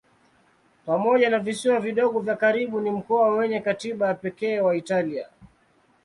Pamoja na visiwa vidogo vya karibu ni mkoa wenye katiba ya pekee wa Italia.